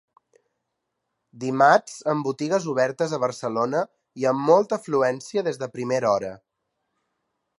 Dimarts amb botigues obertes a Barcelona i amb molta afluència des de primera hora.